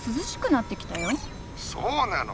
そうなの。